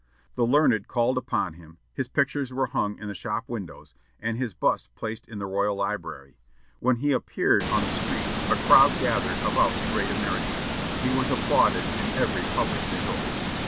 The learned called upon him; his pictures were hung in the shop windows, and his bust placed in the Royal Library. When he appeared on the street a crowd gathered about the great American. He was applauded in every public resort.